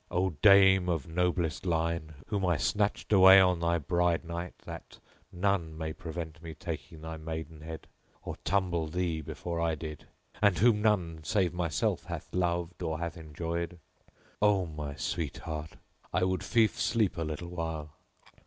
O dame of noblest line, whom I snatched away on thy bride night that none might prevent me taking thy maidenhead or tumble thee before I did, and whom none save myself hath loved or hath enjoyed: O my sweetheart! I would lief sleep a little while."